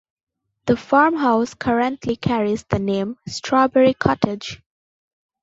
The farmhouse currently carries the name "Strawberry Cottage".